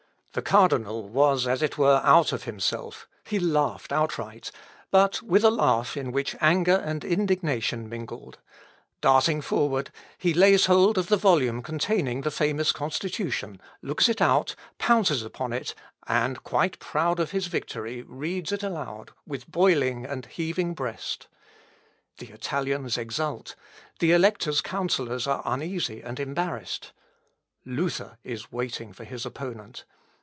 The cardinal was, as it were, out of himself; he laughed outright, but with a laugh in which anger and indignation mingled; darting forward, he lays hold of the volume containing the famous Constitution, looks it out, pounces upon it, and, quite proud of his victory, reads it aloud, with boiling and heaving breast. The Italians exult; the Elector's counsellors are uneasy and embarrassed: Luther is waiting for his opponent.